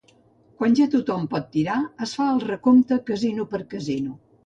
Quan ja tothom pot tirar es fa el recompte casino per casino.